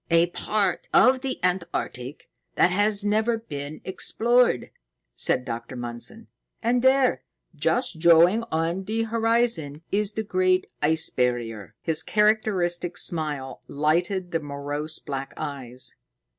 "A part of the Antarctic that has never been explored," said Dr. Mundson; "and there, just showing on the horizon, is the Great Ice Barrier." His characteristic smile lighted the morose black eyes.